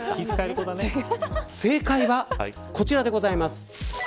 正解はこちらでございます。